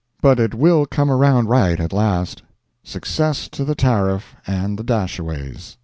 But it will come around right at last. Success to the tariff and the Dashaways.